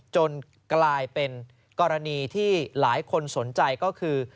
จนกลายเป็นกรณีที่หลายคนสนใจก็คือ